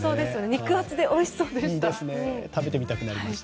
肉厚でおいしそうでした。